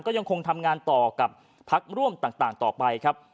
ก็ยังคงทำงานต่อกับพักร่วมต่างต่อไปครับ